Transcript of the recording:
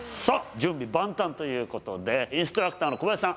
準備万端ということでインストラクターの小林さん